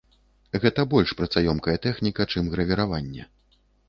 Гэта больш працаёмкая тэхніка, чым гравіраванне.